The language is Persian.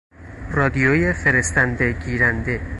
رادیوی فرستنده - گیرنده